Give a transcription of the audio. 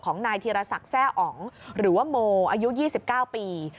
ของนายธีรศักดิ์แทร่อ๋องหรือว่าโมอายุ๒๙ปี